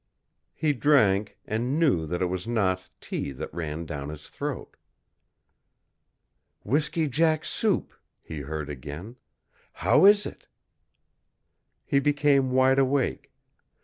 He drank, and knew that it was not tea that ran down his throat. "Whisky jack soup," he heard again. "How is it?" He became wide awake.